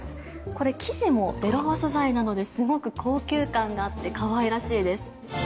これ生地もベロア素材なのですごく高級感があってかわいらしいです。